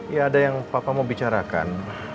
ya ada yang papa mau bicarakan